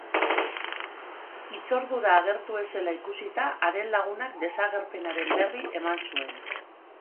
Hitzordura agertu ez zela ikusita, haren lagunak desagerpenaren berri eman zuen.